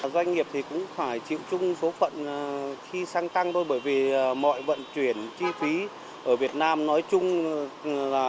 doanh nghiệp thì cũng phải chịu chung số phận khi xăng tăng thôi bởi vì mọi vận chuyển chi phí ở việt nam nói chung là